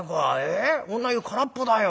女湯空っぽだよ。